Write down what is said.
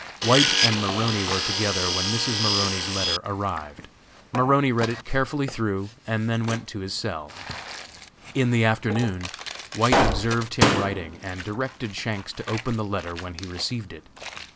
White and Maroney were together when Mrs. Maroney's letter arrived. Maroney read it carefully through and then went to his cell. In the afternoon, White observed him writing and directed Shanks to open the letter when he received it.